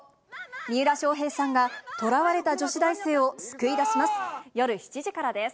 三浦翔平さんがとらわれた女子大生を救い出します。